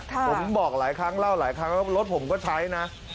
ผมบอกหลายครั้งเล่าหลายครั้งแล้วรถผมก็ใช้นะ